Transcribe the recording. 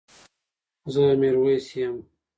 زه ميرويس يم